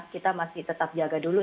kita masih tetap jaga dulu